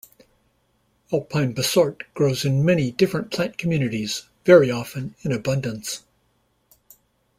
Alpine bistort grows in many different plant communities, very often in abundance.